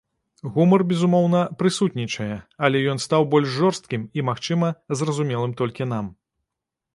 Гумар, безумоўна, прысутнічае, але ён стаў больш жорсткім і, магчыма, зразумелым толькі нам.